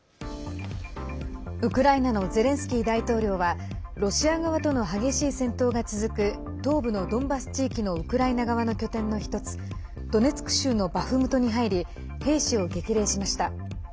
ウクライナのゼレンスキー大統領はロシア側との激しい戦闘が続く東部のドンバス地域のウクライナ側の拠点の１つドネツク州のバフムトに入り兵士を激励しました。